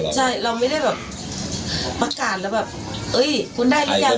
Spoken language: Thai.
ใช่เราไม่ได้แบบประกาศแล้วแบบเฮ้ยคุณได้หรือยังมีแต่คนถามว่าได้หรือยัง